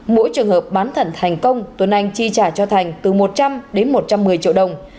mỗi trường hợp bán thận thành công tuấn anh chi trả cho thành từ một trăm linh đến một trăm một mươi triệu đồng